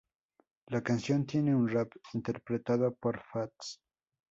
La canción tiene un rap interpretado por Fats.